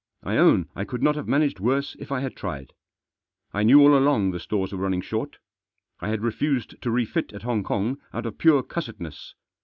I own I could not have managed worse if I had tried. I knew all along the stores were running short. I had refused to refit at Hong Kong out of pure cussedness.